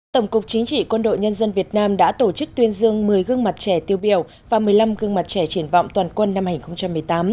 tổng cục chính trị quân đội nhân dân việt nam đã tổ chức tuyên dương một mươi gương mặt trẻ tiêu biểu và một mươi năm gương mặt trẻ triển vọng toàn quân năm hai nghìn một mươi tám